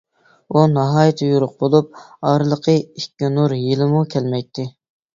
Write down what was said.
ئۇ ناھايىتى يورۇق بولۇپ ئارىلىقى ئىككى نۇر يىلىمۇ كەلمەيتتى.